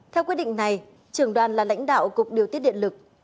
theo quyết định này trưởng đoàn là lãnh đạo cục điều tiết điện lực